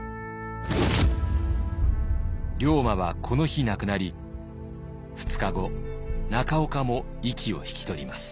龍馬はこの日亡くなり２日後中岡も息を引き取ります。